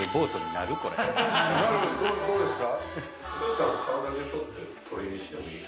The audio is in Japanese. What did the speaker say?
なるどうですか？